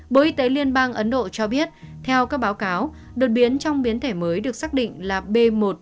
bộ y tế liên bang ấn độ cho biết theo các báo cáo đột biến trong biến thể mới được xác định là b một một năm trăm hai mươi chín